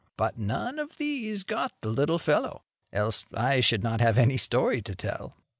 But none of these got the little fellow, else I should not have any story to tell.